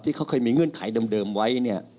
ที่เค้าเคยมีเงื่อนไขเดิมไว้